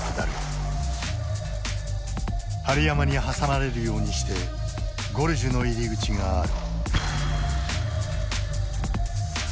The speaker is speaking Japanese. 針山に挟まれるようにしてゴルジュの入り口がある。